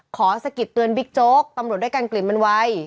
สะกิดเตือนบิ๊กโจ๊กตำรวจด้วยกันกลิ่นมันไว